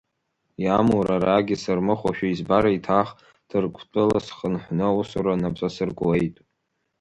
Иамур арагьы сырмыхәошәа избар еиҭах Ҭырқәтәыла схынҳәны аусура нап асыркуеит.